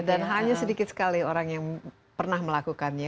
dan hanya sedikit sekali orang yang pernah melakukannya